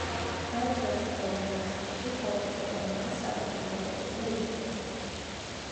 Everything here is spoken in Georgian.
მეოცე ასწლეულის დასაწყისში ქალაქის ეკონომიკა სწრაფად ვითარდებოდა და იზრდებოდა.